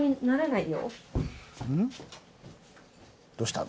どうしたの？